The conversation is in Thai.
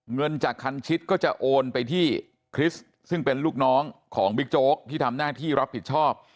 เงินจากคันชิดก็จะโอนไปที่คริสต์ซึ่งเป็นลูกน้องของบิ๊กโจ๊กที่ทำหน้าที่รับผิดชอบ